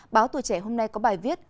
báo tù trẻ hôm nay có bài viết